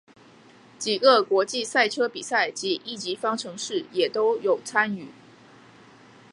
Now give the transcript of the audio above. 几个国际赛车比赛及一级方程式也都有参与。